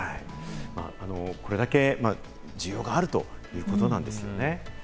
これだけ需要があるということなんですよね。